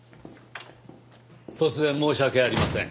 突然申し訳ありません。